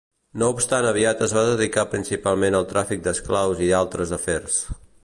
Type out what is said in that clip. No obstant aviat es va dedicar principalment al tràfic d'esclaus i altres afers.